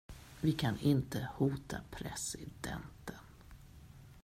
Vi kan inte hota presidenten.